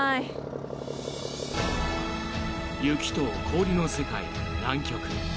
雪と氷の世界、南極。